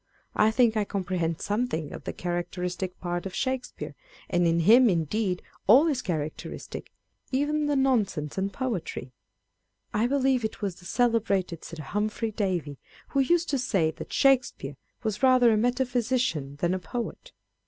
I think I com prehend something of the characteristic part of Shake speare ; and in him indeed all is characteristic, even the nonsense and poetry. I believe it was the celebrated Sir Humphry Davy who used to say, that Shakespeare was rather a metaphysician than a poet.